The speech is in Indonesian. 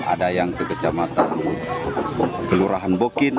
ada yang ke kecamatan kelurahan bokin